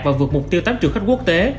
và vượt mục tiêu tăng trưởng khách quốc tế